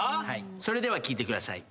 それでは聴いてください。